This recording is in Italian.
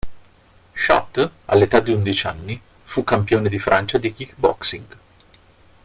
Chat, all'età di undici anni, fu campione di Francia di Kickboxing.